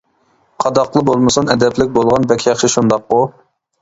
قاداقلا بولمىسۇن ئەدەپلىك بولغان بەك ياخشى شۇنداققۇ.